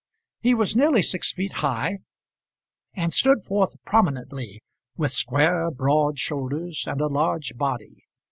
He was nearly six feet high, and stood forth prominently, with square, broad shoulders and a large body.